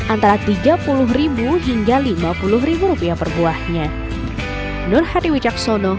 antara tiga puluh hingga lima puluh rupiah per buahnya